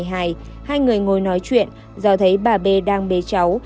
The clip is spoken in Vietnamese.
hai người ngồi nói chuyện do thấy bà b đang bế cháu